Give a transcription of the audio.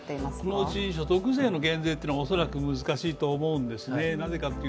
このうち所得税の減税というのは恐らく難しいと思うんですね。